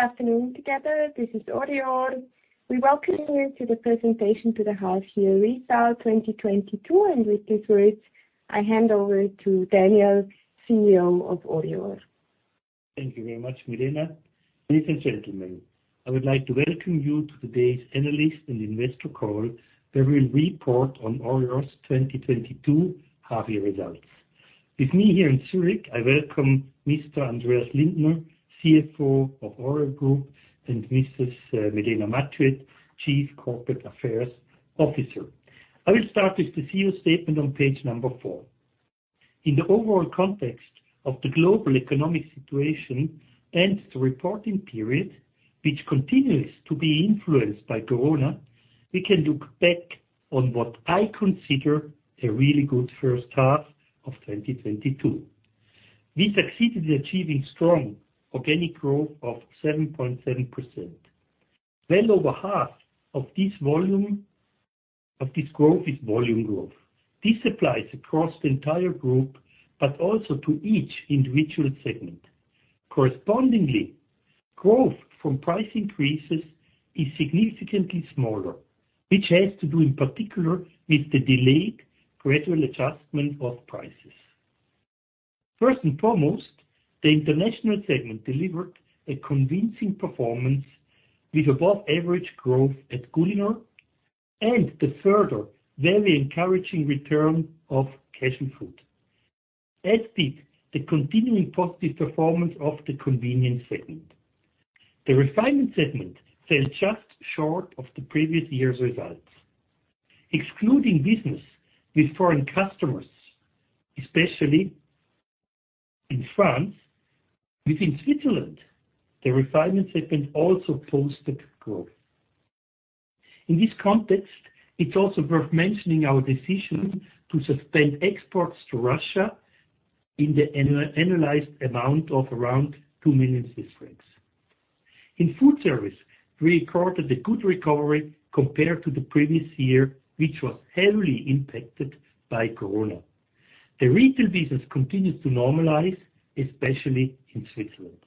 Good afternoon together. This is ORIOR. We welcome you to the presentation of the half-year results 2022, and with these words, I hand over to Daniel, CEO of ORIOR. Thank you very much, Milena. Ladies and gentlemen, I would like to welcome you to today's analyst and investor call, where we'll report on Orior's 2022 half year results. With me here in Zurich, I welcome Mr. Andreas Lindner, CFO of Orior Group, and Mrs. Milena Mathiuet, Chief Corporate Affairs Officer. I will start with the CEO statement on page 4. In the overall context of the global economic situation and the reporting period, which continues to be influenced by Corona, we can look back on what I consider a really good first half of 2022. We succeeded in achieving strong organic growth of 7.7%. Well over half of this growth is volume growth. This applies across the entire group, but also to each individual segment. Correspondingly, growth from price increases is significantly smaller, which has to do in particular with the delayed gradual adjustment of prices. First and foremost, the international segment delivered a convincing performance with above average growth at Culinor and the further very encouraging return of Casualfood, as did the continuing positive performance of the convenience segment. The refinement segment fell just short of the previous year's results. Excluding business with foreign customers, especially in France, within Switzerland, the refinement segment also posted growth. In this context, it's also worth mentioning our decision to suspend exports to Russia in the annualized amount of around 2 million Swiss francs. In food service, we recorded a good recovery compared to the previous year, which was heavily impacted by Corona. The retail business continues to normalize, especially in Switzerland.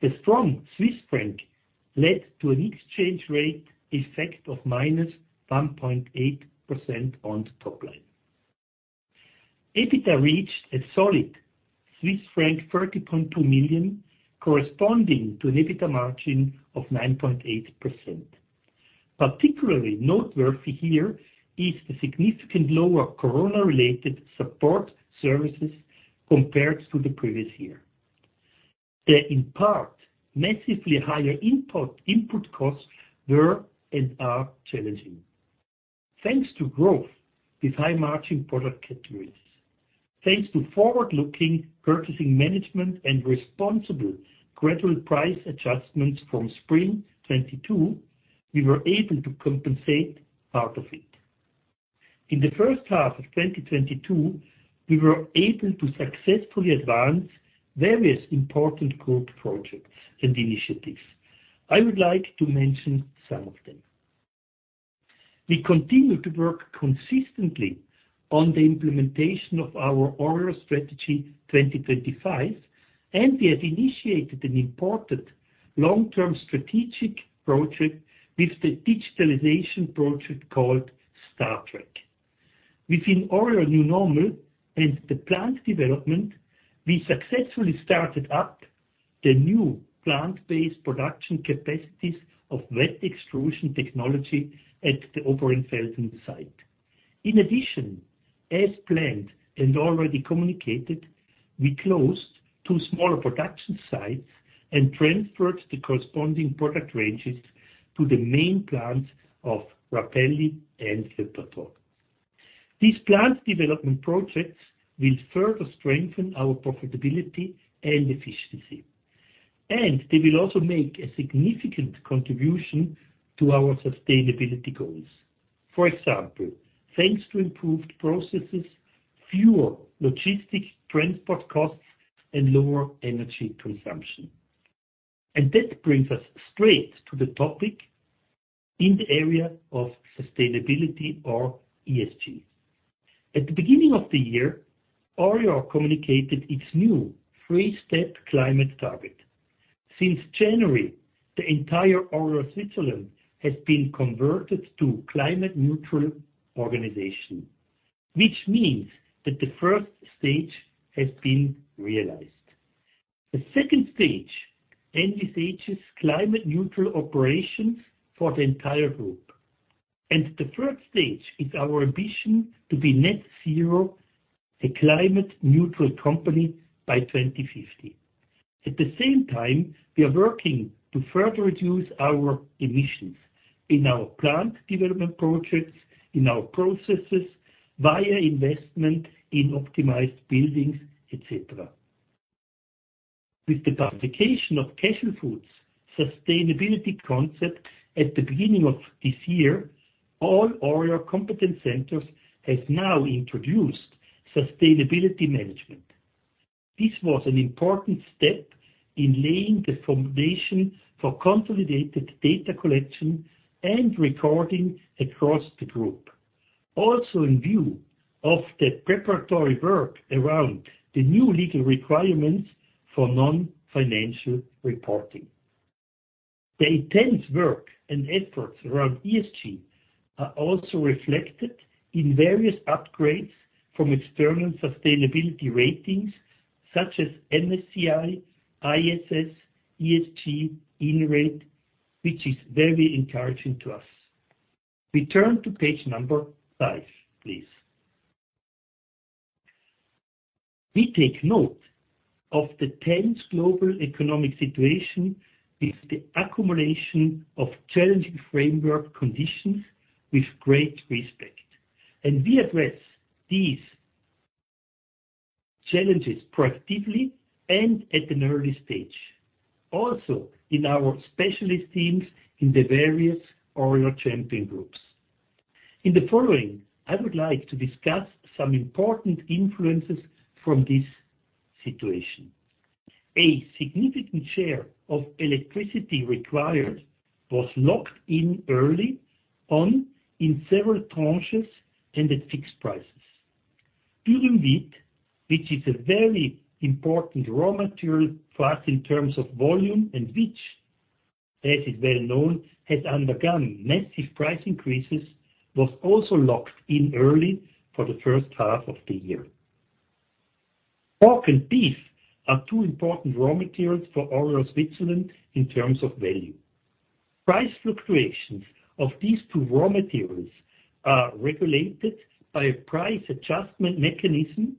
The strong Swiss franc led to an exchange rate effect of -1.8% on the top line. EBITDA reached a solid Swiss franc 30.2 million, corresponding to an EBITDA margin of 9.8%. Particularly noteworthy here is the significant lower Corona-related support services compared to the previous year. The in part, massively higher import input costs were and are challenging. Thanks to growth with high-margin product categories, thanks to forward-looking purchasing management and responsible gradual price adjustments from spring 2022, we were able to compensate part of it. In the first half of 2022, we were able to successfully advance various important group projects and initiatives. I would like to mention some of them. We continue to work consistently on the implementation of our ORIOR strategy 2025, and we have initiated an important long-term strategic project with the digitalization project called StarTrack. Within ORIOR New Normal and the plant development, we successfully started up the new plant-based production capacities of wet extrusion technology at the Oberentfelden site. In addition, as planned and already communicated, we closed two smaller production sites and transferred the corresponding product ranges to the main plants of Rapelli and Le Patron. These plant development projects will further strengthen our profitability and efficiency, and they will also make a significant contribution to our sustainability goals. For example, thanks to improved processes, fewer logistics transport costs, and lower energy consumption. That brings us straight to the topic in the area of sustainability or ESG. At the beginning of the year, ORIOR communicated its new three-step climate target. Since January, the entire ORIOR Switzerland has been converted to climate neutral organization, which means that the first stage has been realized. The second stage envisages climate neutral operations for the entire group. The third stage is our ambition to be net zero, a climate neutral company by 2050. At the same time, we are working to further reduce our emissions in our plant development projects, in our processes, via investment in optimized buildings, etc. With the publication of Casualfood's sustainability concept at the beginning of this year, all ORIOR competence centers has now introduced sustainability management. This was an important step in laying the foundation for consolidated data collection and recording across the group. Also in view of the preparatory work around the new legal requirements for non-financial reporting. The intense work and efforts around ESG are also reflected in various upgrades from external sustainability ratings such as MSCI, ISS ESG, Inrate, which is very encouraging to us. We turn to page number 5, please. We take note of the tense global economic situation with the accumulation of challenging framework conditions with great respect, and we address these challenges proactively and at an early stage, also in our specialist teams in the various ORIOR champion groups. In the following, I would like to discuss some important influences from this situation. A significant share of electricity required was locked in early on in several tranches and at fixed prices. Pig and wheat, which is a very important raw material for us in terms of volume, and which, as is well known, has undergone massive price increases, was also locked in early for the first half of the year. Pork and beef are two important raw materials for ORIOR Switzerland in terms of value. Price fluctuations of these two raw materials are regulated by a price adjustment mechanism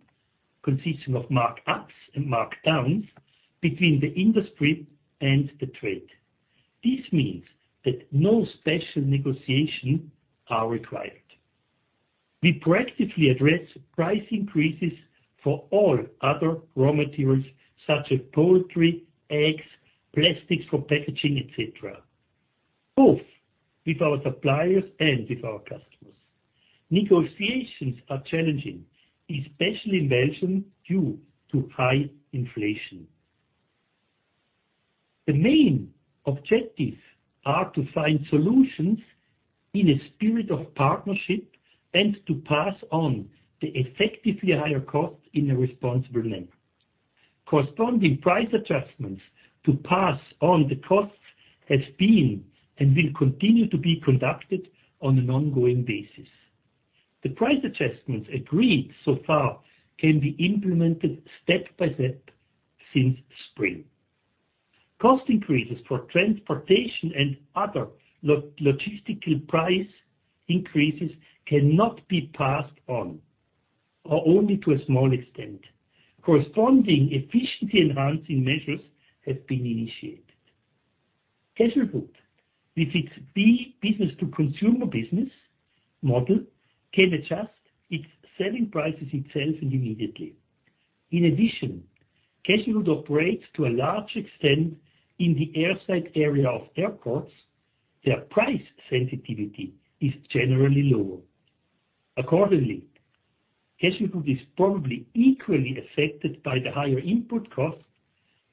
consisting of markups and markdowns between the industry and the trade. This means that no special negotiations are required. We practically address price increases for all other raw materials such as poultry, eggs, plastics for packaging, et cetera, both with our suppliers and with our customers. Negotiations are challenging, especially in Belgium, due to high inflation. The main objectives are to find solutions in a spirit of partnership and to pass on the effectively higher cost in a responsible manner. Corresponding price adjustments to pass on the costs have been and will continue to be conducted on an ongoing basis. The price adjustments agreed so far can be implemented step by step since spring. Cost increases for transportation and other logistical price increases cannot be passed on, or only to a small extent. Corresponding efficiency enhancing measures have been initiated. Casualfood, with its business-to-consumer business model, can adjust its selling prices itself immediately. In addition, Casualfood operates to a large extent in the airside area of airports. Their price sensitivity is generally lower. Accordingly, Casualfood is probably equally affected by the higher input costs,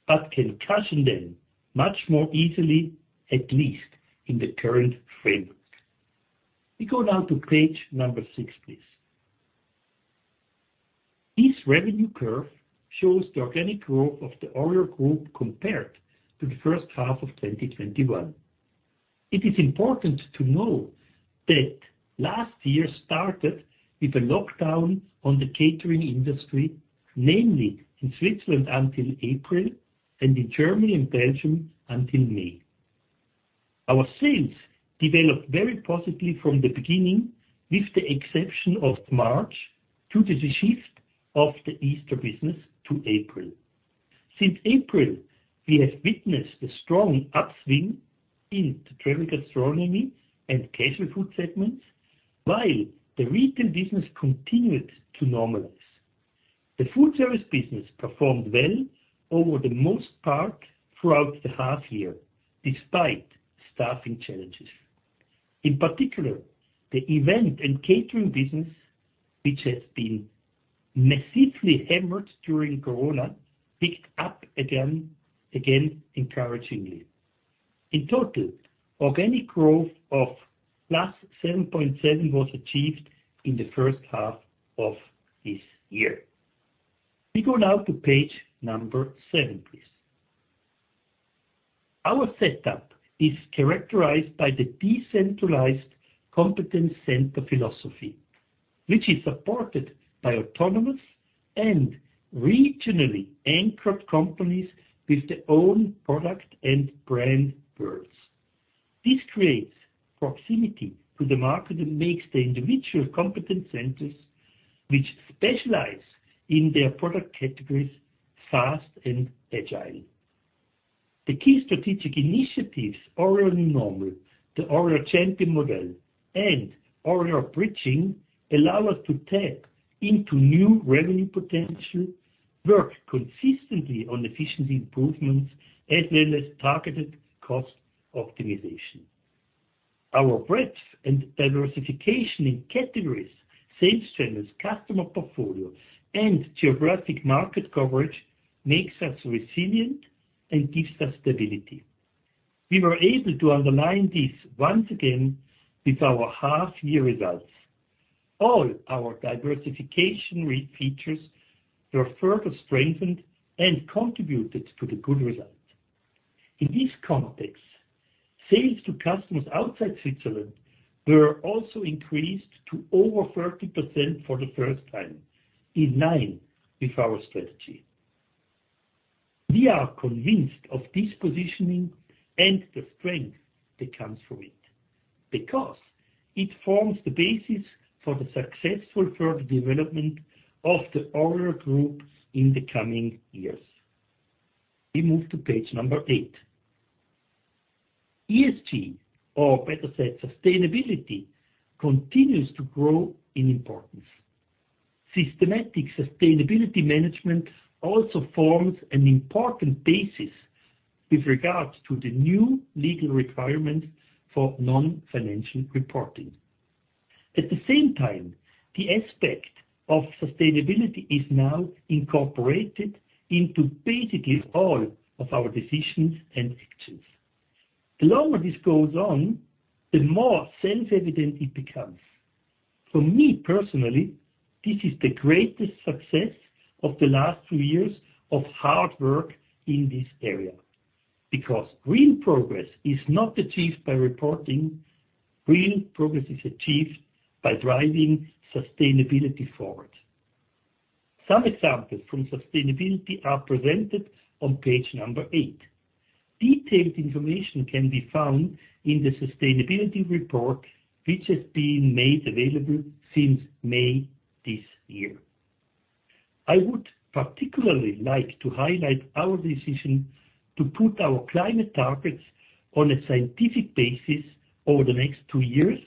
but can cushion them much more easily, at least in the current framework. We go down to page number six, please. This revenue curve shows the organic growth of the ORIOR Group compared to the first half of 2021. It is important to know that last year started with a lockdown on the catering industry, namely in Switzerland until April and in Germany and Belgium until May. Our sales developed very positively from the beginning, with the exception of March, due to the shift of the Easter business to April. Since April, we have witnessed a strong upswing in the Travel Gastronomy and Casualfood segments, while the retail business continued to normalize. The food service business performed well over the most part throughout the half year, despite staffing challenges. In particular, the event and catering business, which has been massively hammered during Corona, picked up again encouragingly. In total, organic growth of +7.7% was achieved in the first half of this year. We go now to page 7, please. Our setup is characterized by the decentralized competence center philosophy, which is supported by autonomous and regionally anchored companies with their own product and brand worlds. This creates proximity to the market and makes the individual competence centers, which specialize in their product categories, fast and agile. The key strategic initiatives, ORIOR New Normal, the ORIOR Champion Model, and ORIOR Bridge-building, allow us to tap into new revenue potential, work consistently on efficiency improvements, as well as targeted cost optimization. Our breadth and diversification in Categories, Sales Channels, Customer portfolio, and Geographic Carket coverage makes us resilient and gives us stability. We were able to underline this once again with our half year results. All our diversification features were further strengthened and contributed to the good result. In this context, sales to customers outside Switzerland were also increased to over 30% for the first time, in line with our strategy. We are convinced of this positioning and the strength that comes from it because it forms the basis for the successful further development of the ORIOR Group in the coming years. We move to page 8. ESG, or better said, sustainability, continues to grow in importance. Systematic sustainability management also forms an important basis with regard to the new legal requirement for non-financial reporting. At the same time, the aspect of sustainability is now incorporated into basically all of our decisions and actions. The longer this goes on, the more self-evident it becomes. For me, personally, this is the greatest success of the last two years of hard work in this area. Because real progress is not achieved by reporting. Real progress is achieved by driving sustainability forward. Some examples from sustainability are presented on page 8. Detailed information can be found in the sustainability report, which has been made available since May this year. I would particularly like to highlight our decision to put our climate targets on a scientific basis over the next two years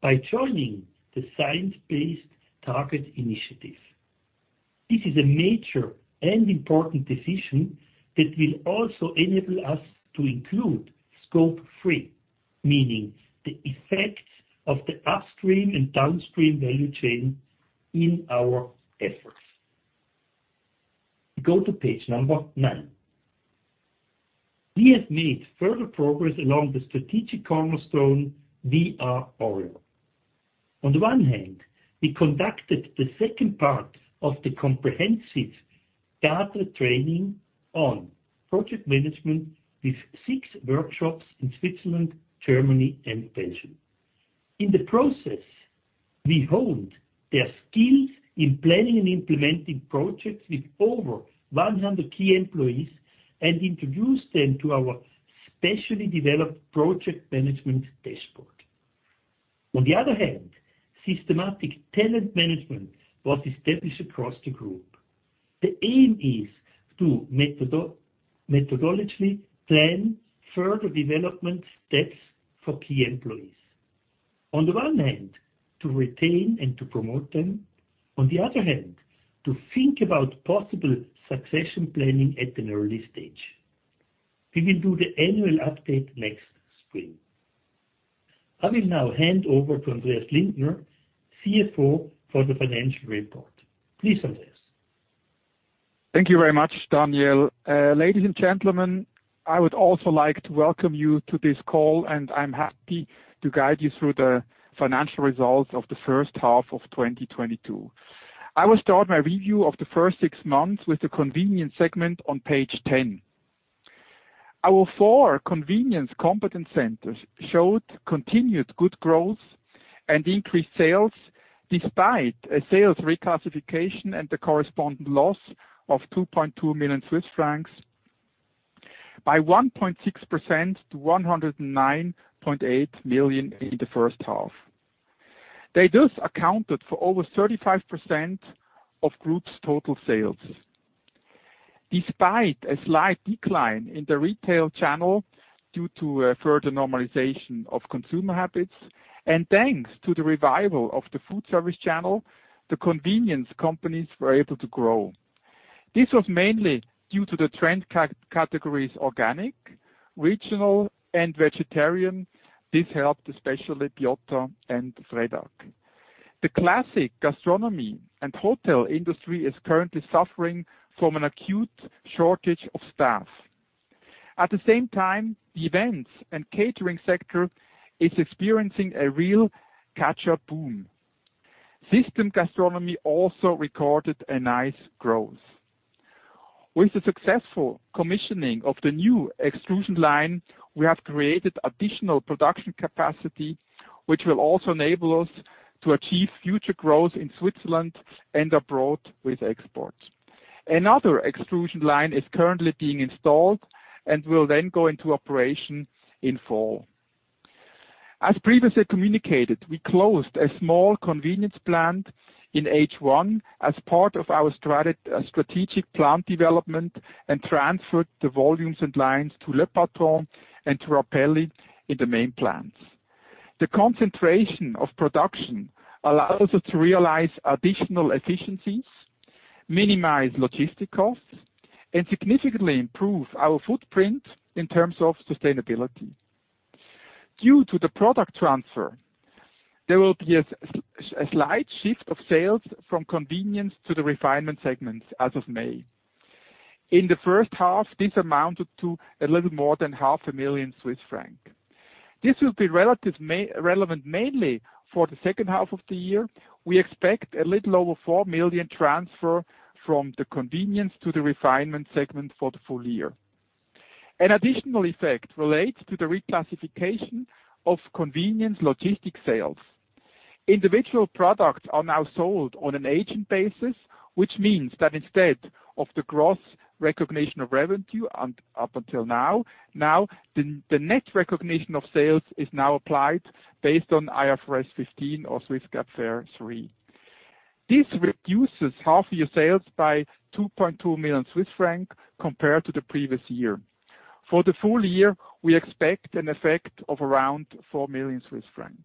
by joining the Science Based Targets initiative. This is a major and important decision that will also enable us to include Scope 3, meaning the effects of the upstream and downstream value chain in our efforts. We go to page 9. We have made further progress along the strategic cornerstone, We are ORIOR. On the one hand, we conducted the second part of the comprehensive data training on project management with 6 workshops in Switzerland, Germany, and Belgium. In the process, we honed their skills in planning and implementing projects with over 100 key employees and introduced them to our specially developed project management dashboard. On the other hand, systematic talent management was established across the group. The aim is to methodologically plan further development steps for key employees. On the one hand, to retain and to promote them. On the other hand, to think about possible succession planning at an early stage. We will do the annual update next spring. I will now hand over to Andreas Lindner, CFO for the financial report. Please, Andreas. Thank you very much, Daniel. Ladies and gentlemen, I would also like to welcome you to this call, and I'm happy to guide you through the financial results of the first half of 2022. I will start my review of the first six months with the convenience segment on page 10. Our four convenience competence centers showed continued good growth and increased sales despite a sales reclassification and the corresponding loss of 2.2 million Swiss francs by 1.6% to 109.8 million in the first half. They just accounted for over 35% of group's total sales. Despite a slight decline in the retail channel due to a further normalization of consumer habits, and thanks to the revival of the food service channel, the convenience companies were able to grow. This was mainly due to the trend Categories Organic, Regional, and Vegetarian. This helped especially Biotta and Fredag. The classic gastronomy and hotel industry is currently suffering from an acute shortage of staff. At the same time, the events and catering sector is experiencing a real catch-up boom. System gastronomy also recorded a nice growth. With the successful commissioning of the new extrusion line, we have created additional production capacity, which will also enable us to achieve future growth in Switzerland and abroad with exports. Another extrusion line is currently being installed and will then go into operation in fall. As previously communicated, we closed a small convenience plant in H one as part of our strategic plant development and transferred the volumes and lines to Le Patron and to Rapelli in the main plants. The concentration of production allows us to realize additional efficiencies, minimize logistics costs, and significantly improve our footprint in terms of sustainability. Due to the product transfer, there will be a slight shift of sales from convenience to the refinement segments as of May. In the first half, this amounted to a little more than half a million Swiss francs. This will be relevant mainly for the second half of the year. We expect a little over 4 million transfer from the convenience to the refinement segment for the full year. An additional effect relates to the reclassification of convenience logistics sales. Individual products are now sold on an agent basis, which means that instead of the gross recognition of revenue up until now the net recognition of sales is now applied based on IFRS 15 or Swiss GAAP FER 3. This reduces half your sales by 2.2 million Swiss francs compared to the previous year. For the full year, we expect an effect of around 4 million Swiss francs.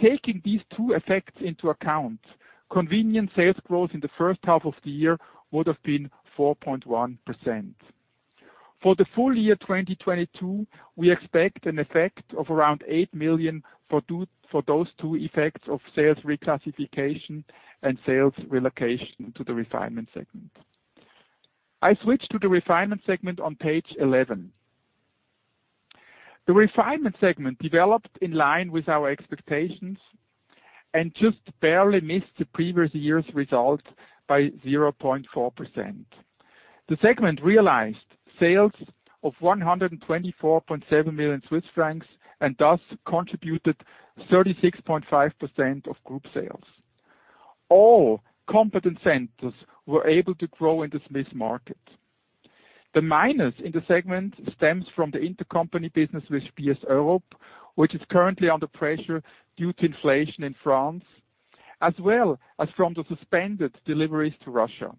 Taking these two effects into account, convenience sales growth in the first half of the year would have been 4.1%. For the full year 2022, we expect an effect of around 8 million for those two effects of sales reclassification and sales relocation to the refinement segment. I switch to the refinement segment on page 11. The refinement segment developed in line with our expectations and just barely missed the previous year's result by 0.4%. The segment realized sales of 124.7 million Swiss francs and thus contributed 36.5% of group sales. All competence centers were able to grow in this mixed market. The minus in the segment stems from the intercompany business with Spiess Europe, which is currently under pressure due to inflation in France, as well as from the suspended deliveries to Russia.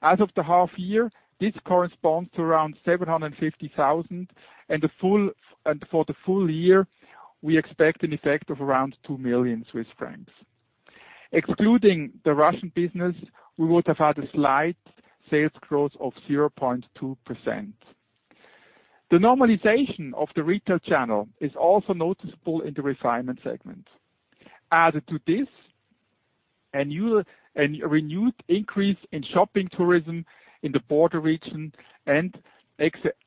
As of the half year, this corresponds to around 750,000, and for the full year, we expect an effect of around 2 million Swiss francs. Excluding the Russian business, we would have had a slight sales growth of 0.2%. The normalization of the retail channel is also noticeable in the refinement segment. Added to this, a renewed increase in shopping tourism in the border region and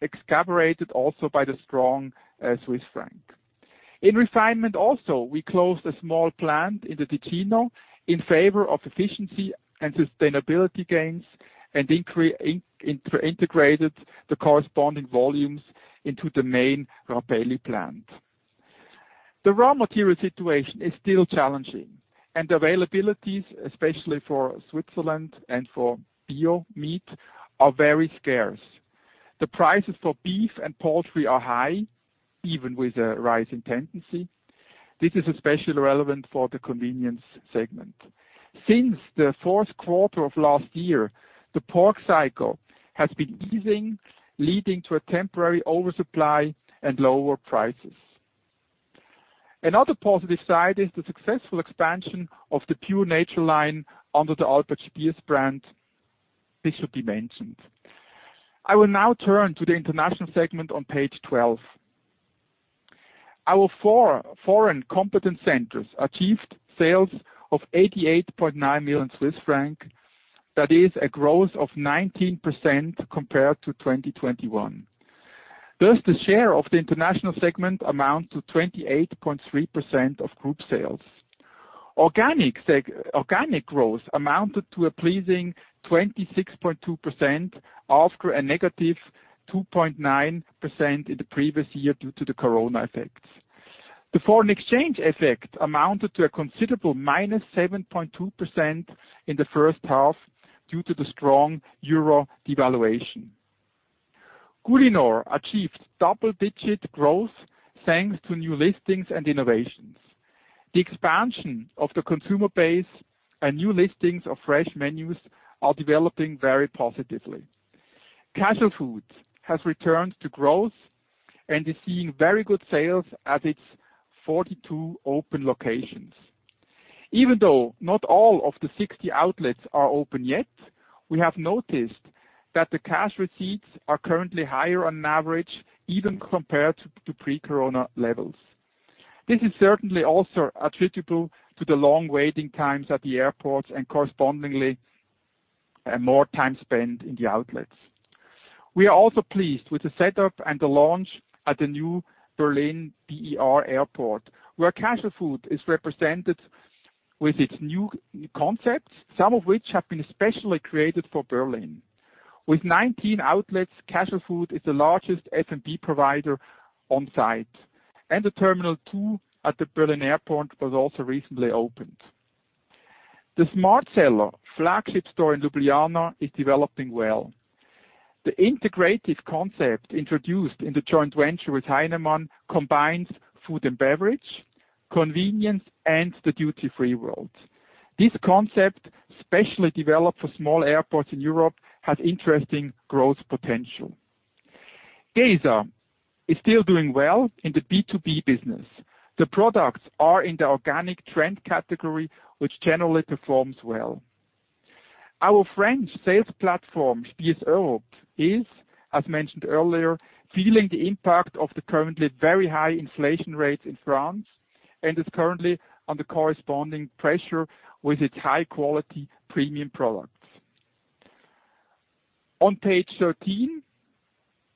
exacerbated also by the strong Swiss franc. In refinement also, we closed a small plant in the Ticino in favor of efficiency and sustainability gains, and integrated the corresponding volumes into the main Rapelli plant. The raw material situation is still challenging, and availabilities, especially for Switzerland and for bio meat, are very scarce. The prices for beef and poultry are high, even with a rise in tendency. This is especially relevant for the convenience segment. Since the fourth quarter of last year, the pork cycle has been easing, leading to a temporary oversupply and lower prices. Another positive side is the successful expansion of the Pure Nature line under the Albert Spiess brand. This should be mentioned. I will now turn to the international segment on page 12. Our four foreign competence centers achieved sales of 88.9 million Swiss francs, that is a growth of 19% compared to 2021. Thus, the share of the international segment amount to 28.3% of group sales. Organic growth amounted to a pleasing 26.2% after a -2.9% in the previous year due to the corona effects. The foreign exchange effect amounted to a considerable -7.2% in the first half due to the strong euro devaluation. Culinor achieved double-digit growth thanks to new listings and innovations. The expansion of the consumer base and new listings of fresh menus are developing very positively. Casualfood has returned to growth and is seeing very good sales at its 42 open locations. Even though not all of the 60 outlets are open yet, we have noticed that the cash receipts are currently higher on average, even compared to pre-corona levels. This is certainly also attributable to the long waiting times at the airports and correspondingly, more time spent in the outlets. We are also pleased with the setup and the launch at the new Berlin BER Airport, where Casualfood is represented with its new concepts, some of which have been specially created for Berlin. With 19 outlets, Casualfood is the largest F&B provider on site, and the terminal two at the Berlin Airport was also recently opened. The Smartseller flagship store in Ljubljana is developing well. The integrative concept introduced in the joint venture with Heinemann combines food and beverage, convenience, and the duty-free world. This concept, specially developed for small airports in Europe, has interesting growth potential. Gesa is still doing well in the B2B business. The products are in the organic trend category, which generally performs well. Our French sales platform, Spiess Europe, is, as mentioned earlier, feeling the impact of the currently very high inflation rates in France and is currently under corresponding pressure with its high-quality premium products. On page 13,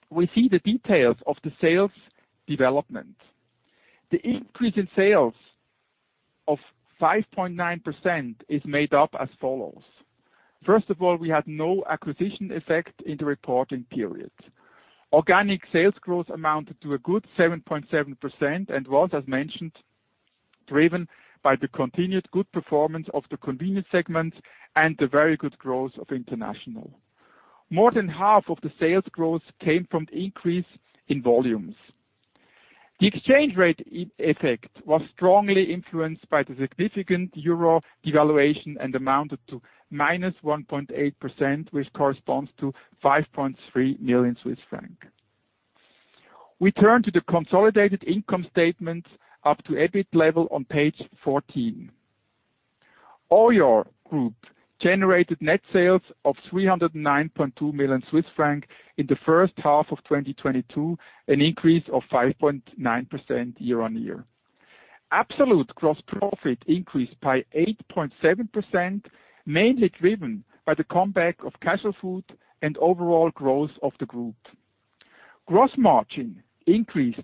we see the details of the sales development. The increase in sales of 5.9% is made up as follows. First of all, we had no acquisition effect in the reporting period. Organic sales growth amounted to a good 7.7% and was, as mentioned, driven by the continued good performance of the convenience segment and the very good growth of international. More than half of the sales growth came from the increase in volumes. The exchange rate effect was strongly influenced by the significant euro devaluation and amounted to -1.8%, which corresponds to 5.3 million Swiss francs. We turn to the consolidated income statement up to EBIT level on page 14. ORIOR Group generated net sales of 309.2 million Swiss francs in the first half of 2022, an increase of 5.9% year-on-year. Absolute gross profit increased by 8.7%, mainly driven by the comeback of Casualfood and overall growth of the group. Gross margin increased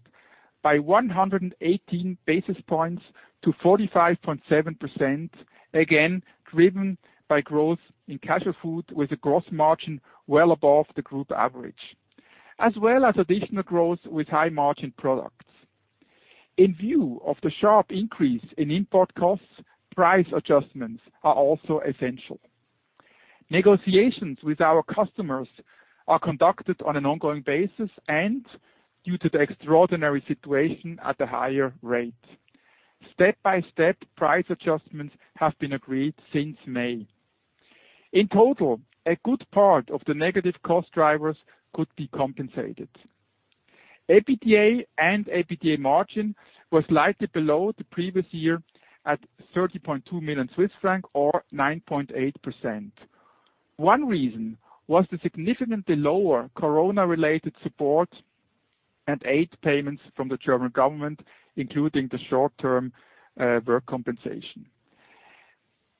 by 118 basis points to 45.7%, again driven by growth in Casualfood, with a gross margin well above the group average, as well as additional growth with high-margin products. In view of the sharp increase in import costs, price adjustments are also essential. Negotiations with our customers are conducted on an ongoing basis and, due to the extraordinary situation, at a higher rate. Step-by-step price adjustments have been agreed since May. In total, a good part of the negative cost drivers could be compensated. EBITDA and EBITDA margin were slightly below the previous year at 30.2 million Swiss francs or 9.8%. One reason was the significantly lower COVID-related support and aid payments from the German government, including the short-term work compensation.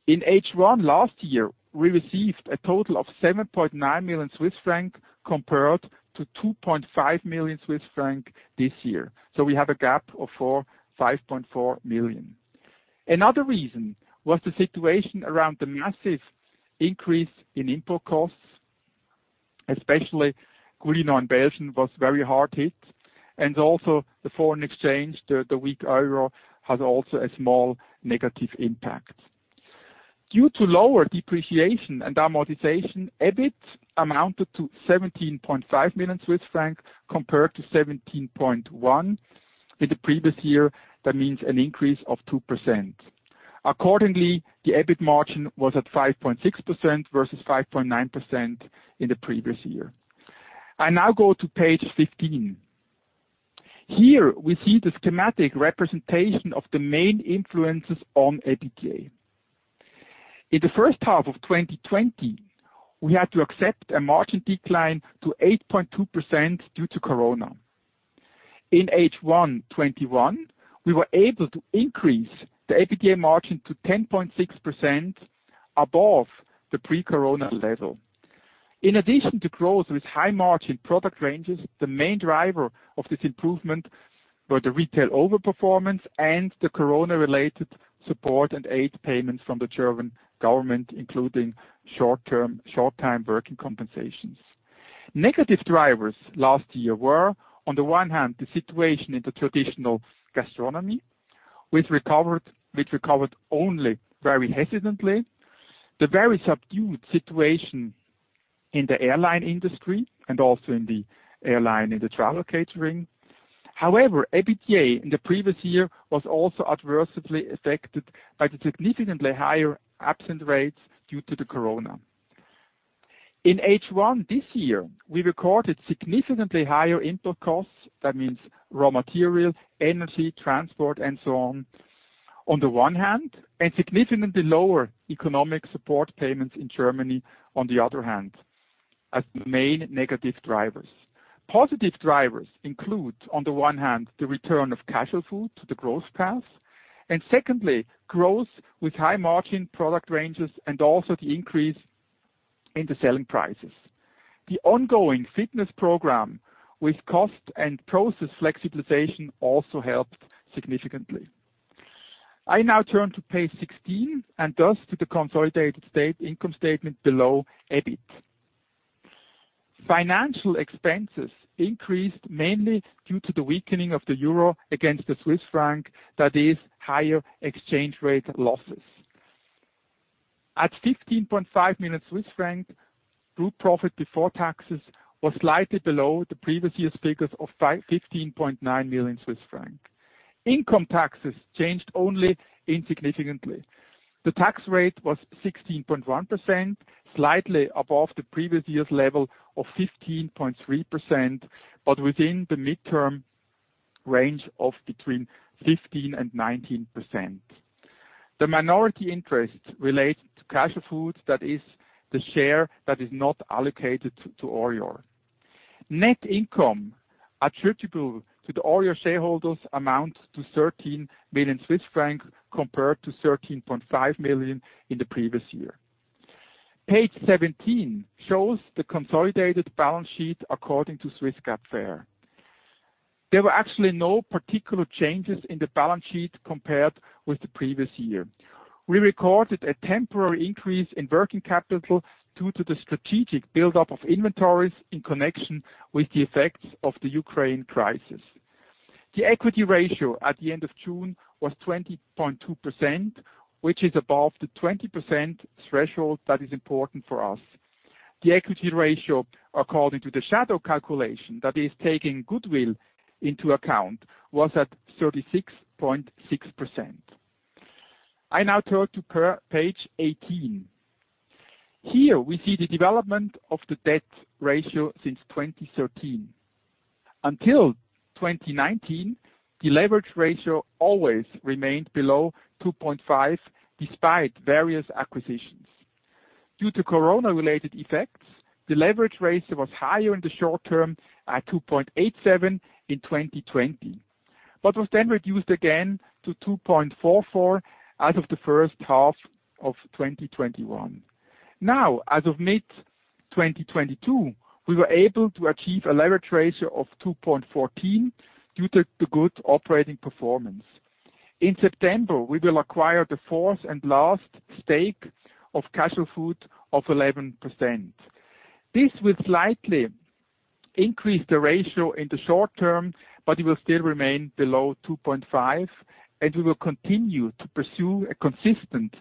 In H1 last year, we received a total of 7.9 million Swiss franc compared to 2.5 million Swiss franc this year. We have a gap of 5.4 million. Another reason was the situation around the massive increase in input costs, especially was very hard hit, and also the foreign exchange, the weak euro has also a small negative impact. Due to lower depreciation and amortization, EBIT amounted to 17.5 million Swiss francs compared to 17.1 million in the previous year. That means an increase of 2%. Accordingly, the EBIT margin was at 5.6% versus 5.9% in the previous year. I now go to page 15. Here we see the schematic representation of the main influences on EBITDA. In the first half of 2020, we had to accept a margin decline to 8.2% due to COVID. In H1 2021, we were able to increase the EBITDA margin to 10.6% above the pre-COVID level. In addition to growth with high margin product ranges, the main driver of this improvement were the retail overperformance and the COVID-related support and aid payments from the German government, including short-time working compensations. Negative drivers last year were, on the one hand, the situation in the traditional gastronomy, which recovered only very hesitantly, the very subdued situation in the airline industry and also in the travel catering. However, EBITDA in the previous year was also adversely affected by the significantly higher absence rates due to the COVID. In H1 this year, we recorded significantly higher input costs, that means raw materials, energy, transport, and so on the one hand, and significantly lower economic support payments in Germany on the other hand as the main negative drivers. Positive drivers include, on the one hand, the return of Casualfood to the growth path, and secondly, growth with high-margin product ranges and also the increase in the selling prices. The ongoing fitness program with cost and process flexibilization also helped significantly. I now turn to page 16 and thus to the consolidated statement of income below EBIT. Financial expenses increased mainly due to the weakening of the euro against the Swiss franc, that is higher exchange rate losses. At 15.5 million Swiss francs, group profit before taxes was slightly below the previous year's figures of 15.9 million Swiss francs. Income taxes changed only insignificantly. The Tax Rate was 16.1%, slightly above the previous year's level of 15.3%, but within the midterm target range of between 15%-19%. The minority interest relates to Casualfood, that is the share that is not allocated to ORIOR. Net income attributable to the ORIOR shareholders amounts to 13 million Swiss francs compared to 13.5 million in the previous year. Page 17 shows the consolidated balance sheet according to Swiss GAAP FER. There were actually no particular changes in the balance sheet compared with the previous year. We recorded a temporary increase in working capital due to the strategic buildup of inventories in connection with the effects of the Ukraine crisis. The equity ratio at the end of June was 20.2%, which is above the 20% threshold that is important for us. The equity ratio, according to the shadow calculation that is taking goodwill into account, was at 36.6%. I now turn to Page 18. Here we see the development of the debt ratio since 2013. Until 2019, the leverage ratio always remained below 2.5, despite various acquisitions. Due to Corona-related effects, the leverage ratio was higher in the short term at 2.87 in 2020, but was then reduced again to 2.44 as of the first half of 2021. Now, as of mid-2022, we were able to achieve a leverage ratio of 2.14 due to the good operating performance. In September, we will acquire the fourth and last stake of Casualfood of 11%. This will slightly increase the ratio in the short term, but it will still remain below 2.5, and we will continue to pursue a consistent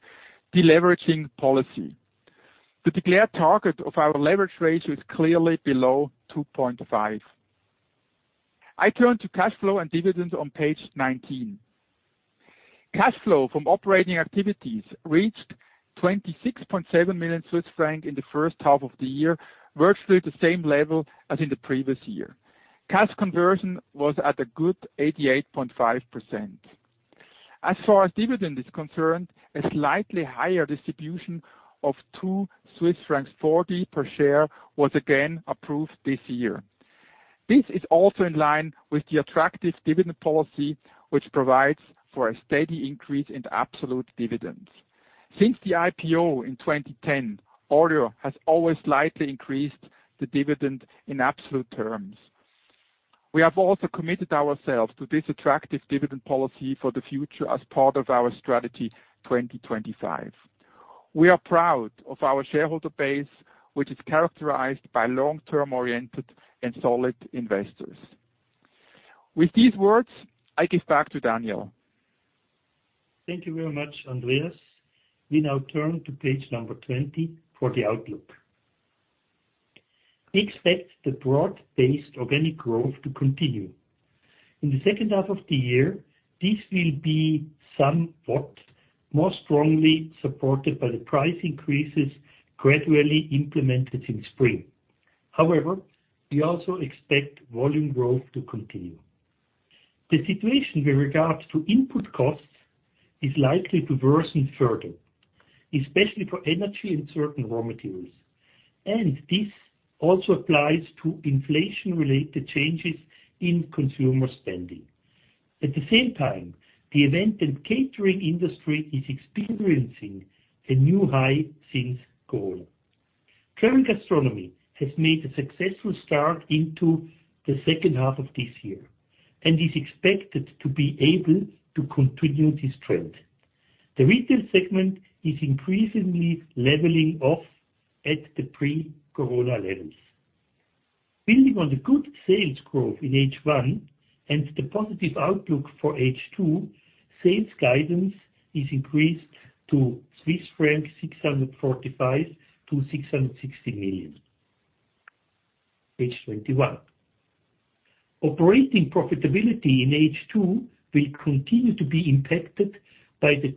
deleveraging policy. The declared target of our leverage ratio is clearly below 2.5. I turn to cash flow and dividends on page 19. Cash flow from operating activities reached 26.7 million Swiss francs in the first half of the year, virtually the same level as in the previous year. Cash conversion was at a good 88.5%. As far as dividend is concerned, a slightly higher distribution of 2.40 Swiss francs per share was again approved this year. This is also in line with the attractive dividend policy, which provides for a steady increase in absolute dividends. Since the IPO in 2010, ORIOR has always slightly increased the dividend in absolute terms. We have also committed ourselves to this attractive dividend policy for the future as part of our strategy 2025. We are proud of our shareholder base, which is characterized by long-term oriented and solid investors. With these words, I give back to Daniel. Thank you very much, Andreas. We now turn to page number 20 for the outlook. We expect the broad-based organic growth to continue. In the second half of the year, this will be somewhat more strongly supported by the price increases gradually implemented in spring. However, we also expect volume growth to continue. The situation with regards to input costs is likely to worsen further, especially for energy and certain raw materials, and this also applies to inflation-related changes in consumer spending. At the same time, the event and catering industry is experiencing a new high since COVID. Current gastronomy has made a successful start into the second half of this year and is expected to be able to continue this trend. The retail segment is increasingly leveling off at the pre-corona levels. Building on the good sales growth in H1 and the positive outlook for H2, sales guidance is increased to Swiss franc 645-660 million. Page 21. Operating profitability in H2 will continue to be impacted by the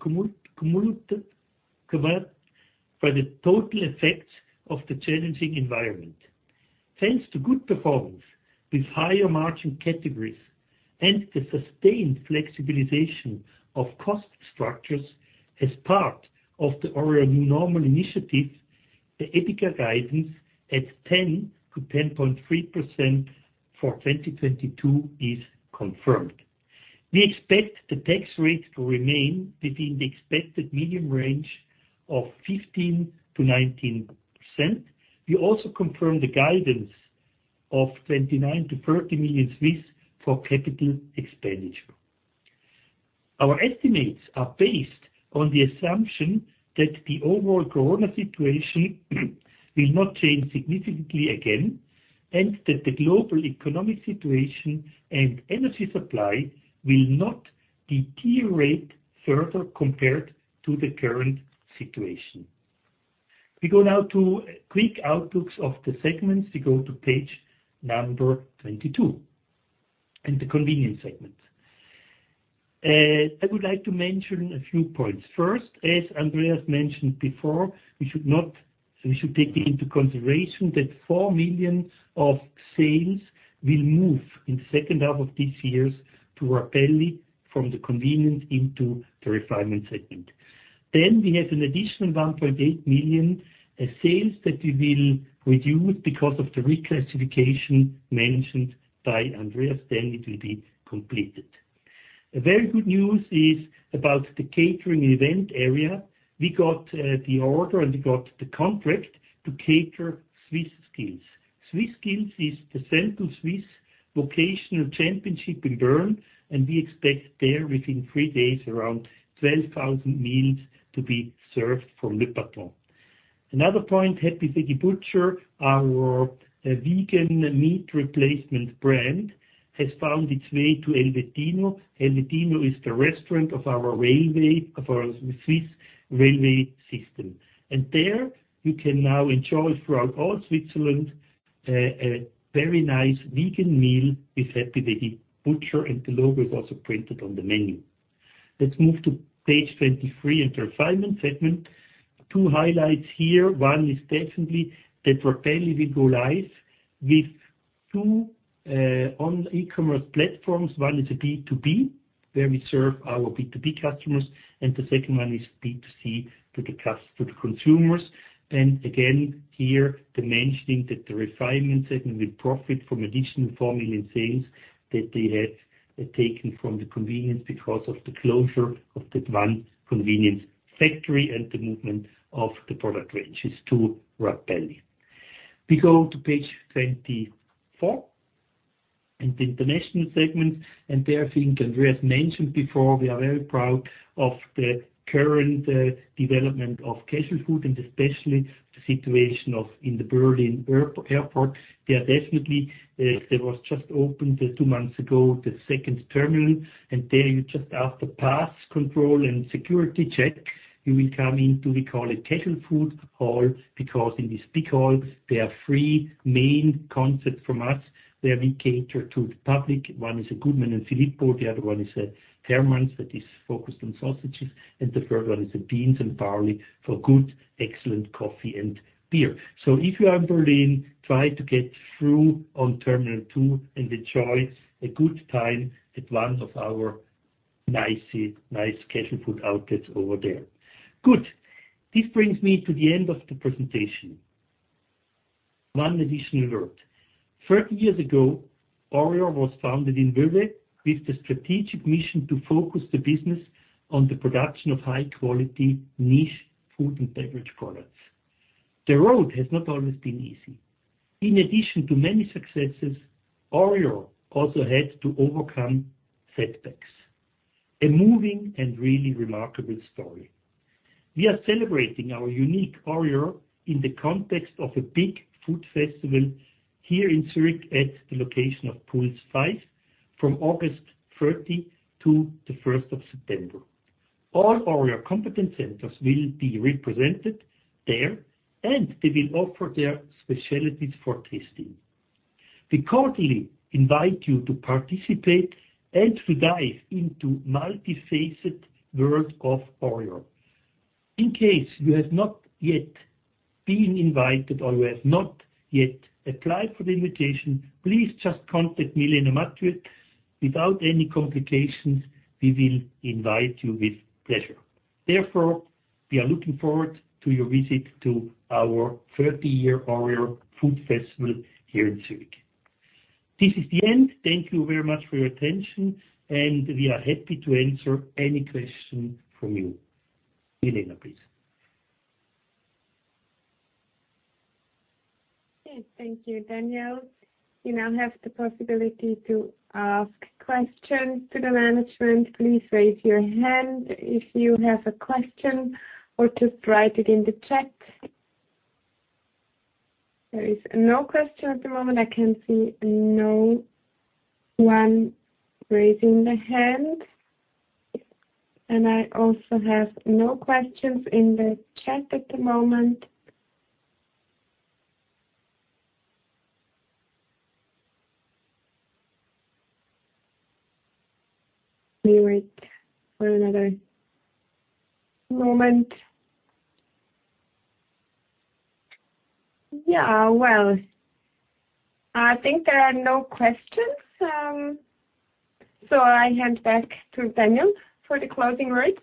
total effects of the challenging environment. Thanks to good performance with higher margin categories and the sustained flexibilization of cost structures as part of the ORIOR New Normal initiative, the EBITDA guidance at 10%-10.3% for 2022 is confirmed. We expect the tax rate to remain within the expected medium range of 15%-19%. We also confirm the guidance of 29-30 million for capital expenditure. Our estimates are based on the assumption that the overall corona situation will not change significantly again, and that the global economic situation and energy supply will not deteriorate further compared to the current situation. We go now to quick outlooks of the segments. We go to page 22 in the convenience segment. I would like to mention a few points. First, as Andreas mentioned before, we should take into consideration that 4 million of sales will move in second half of this year to Rapelli from the convenience into the refinement segment. Then we have an additional 1.8 million sales that we will reduce because of the reclassification mentioned by Andreas. Then it will be completed. A very good news is about the catering event area. We got the order and we got the contract to cater SwissSkills. SwissSkills is the central Swiss vocational championship in Bern, and we expect there within three days around 12,000 meals to be served from Le Patron. Another point, Happy Vegi Butcher, our vegan meat replacement brand, has found its way to Elvetino. Elvetino is the restaurant of our Swiss railway system. There you can now enjoy throughout all Switzerland a very nice vegan meal with Happy Vegi Butcher, and the logo is also printed on the menu. Let's move to page 23, into refinement segment. Two highlights here. One is definitely that Rapelli will go live with two on e-commerce platforms. One is a B2B, where we serve our B2B customers, and the second one is B2C to the consumers. Again, here, the mentioning that the refinement segment will profit from additional 4 million sales that they have taken from the convenience because of the closure of that one convenience factory and the movement of the product ranges to Rapelli. We go to page 24, and the international segment, and there I think Andreas mentioned before, we are very proud of the current development of Casualfood and especially the situation in the Berlin Airport. There definitely there was just opened two months ago, the second terminal, and there you just after passport control and security check, you will come into, we call it, Casualfood hall, because in this big hall, there are three main concepts from us where we cater to the public. One is a Goodman & Filippo, the other one is a Hermanns that is focused on sausages, and the third one is the Beans & Barley for good, excellent coffee and beer. If you are in Berlin, try to get through on terminal 2 and enjoy a good time at one of our nice casual food outlets over there. Good. This brings me to the end of the presentation. One additional word. 30 years ago, ORIOR was founded in Vevey with the strategic mission to focus the business on the production of high quality niche food and beverage products. The road has not always been easy. In addition to many successes, ORIOR also had to overcome setbacks. A moving and really remarkable story. We are celebrating our unique ORIOR in the context of a big food festival here in Zurich at the location of Puls 5 from August 30 to the first of September. All ORIOR competence centers will be represented there, and they will offer their specialties for tasting. We cordially invite you to participate and to dive into multifaceted world of ORIOR. In case you have not yet been invited or you have not yet applied for the invitation, please just contact Milena Mathiuet. Without any complications, we will invite you with pleasure. Therefore, we are looking forward to your visit to our 30-year ORIOR food festival here in Zurich. This is the end. Thank you very much for your attention, and we are happy to answer any question from you. Milena, please. Okay. Thank you, Daniel. You now have the possibility to ask questions to the management. Please raise your hand if you have a question or just write it in the chat. There is no question at the moment. I can see no one raising their hand. I also have no questions in the chat at the moment. We wait for another moment. Yeah, well, I think there are no questions. I hand back to Daniel for the closing words.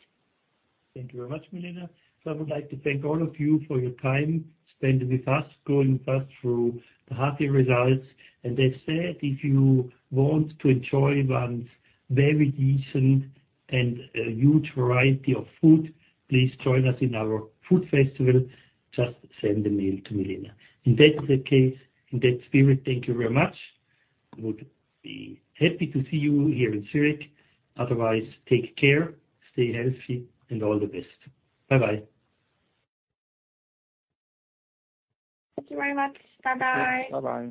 Thank you very much, Milena. I would like to thank all of you for your time spent with us, going first through the half-year results. As said, if you want to enjoy one very decent and a huge variety of food, please join us in our food festival. Just send a mail to Milena. In that case, in that spirit, thank you very much. We would be happy to see you here in Zurich. Otherwise, take care, stay healthy, and all the best. Bye-bye. Thank you very much. Bye-bye. Bye-bye.